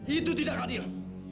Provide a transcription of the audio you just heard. itu tidak adil